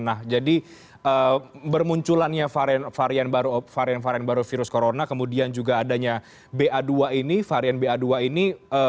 nah jadi bermunculannya varian varian baru virus corona kemudian juga adanya ba dua ini varian ba dua ini